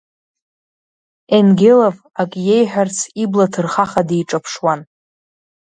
Енгелов акы иеиҳәарц ибла ҭырхаха диҿаԥшуан.